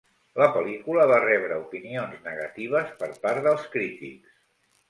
La pel·lícula va rebre opinions negatives per part dels crítics.